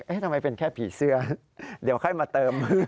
ทำไมเป็นแค่ผีเสื้อเดี๋ยวค่อยมาเติม